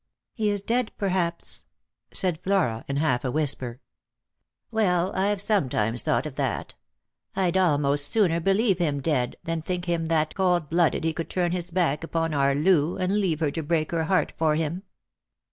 " He is dead, perhaps," said Flora, in a half whisper. "Well, I've sometimes thought of that. I'd almost sooner believe him dead than think him that cold blooded he could turn his back upon our Loo, and leave her to break her heart for him."